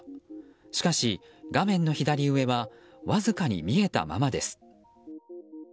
しかし、画面の左上はわずかに見えたままです。